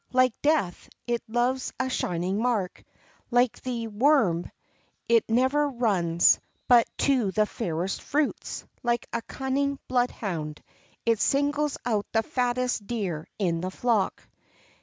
Like death, it loves a shining mark; like the worm, it never runs but to the fairest fruits; like a cunning bloodhound, it singles out the fattest deer in the flock.